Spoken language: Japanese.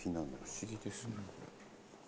不思議ですね。